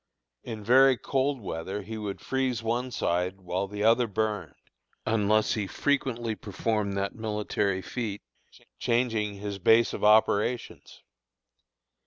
In very cold weather he would freeze one side while the other burned, unless he frequently performed that military feat, changing "his base of operations."